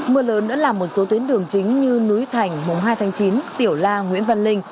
mưa lớn đã làm một số tuyến đường chính như núi thành mùng hai tháng chín tiểu la nguyễn văn linh